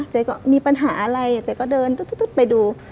เจ๊ก็มีปัญหาอะไรเจ๊ก็เดินตุ๊ดไปดู